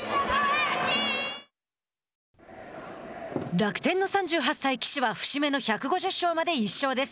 楽天の３８歳、岸は節目の１５０勝まで１勝です。